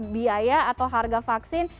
biaya atau harga vaksin